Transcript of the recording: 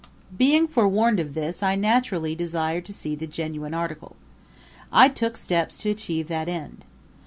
Being forewarned of this I naturally desired to see the genuine article. I took steps to achieve that end.